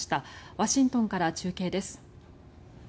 ワシントンから中継です。